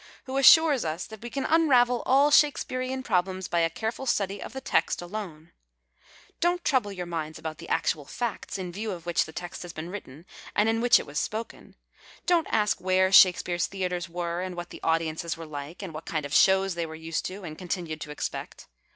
who assures us that we can unravel all Shakespearian problems by a careful study of the text alone. Don't trouble 180 PERVERTED REPUTATIONS your minds about the actual facts in view of which the text had been written and in wliich it was to be spoken. Dont ask where Shakespeare's theatres were and what the audiences were Hkc and what kind of shows they were used to and continued to expect.